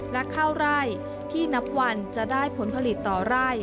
และข้าวไร่ที่นับวันจะได้ผลผลิตต่อไร่